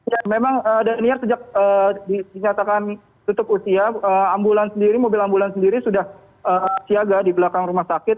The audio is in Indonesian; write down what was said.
ya memang daniar sejak dinyatakan tutup usia mobil ambulans sendiri sudah siaga di belakang rumah sakit